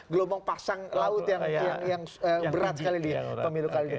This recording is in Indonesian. gelombang pasang laut yang berat kali dia pemilu kali itu